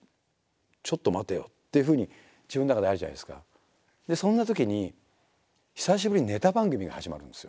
ちょっと待てよ」っていうふうに自分の中であるじゃないですか。でそんなときに久しぶりにネタ番組が始まるんですよ。